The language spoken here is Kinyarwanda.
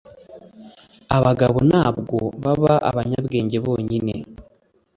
“abagabo ntabwo baba abanyabwenge bonyine